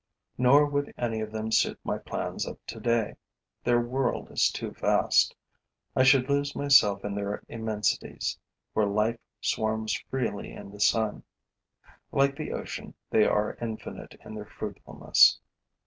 Nor would any of them suit my plans of today. Their world is too vast. I should lose myself in their immensities, where life swarms freely in the sun. Like the ocean, they are infinite in their fruitfulness.